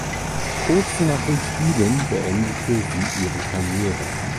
Kurz nach den Spielen beendete sie ihre Karriere.